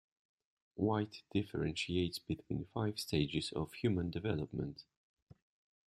White differentiates between five stages of human development.